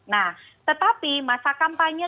nah tetapi masa kampanye